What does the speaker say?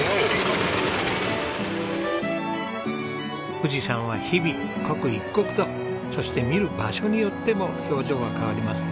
富士山は日々刻一刻とそして見る場所によっても表情が変わります。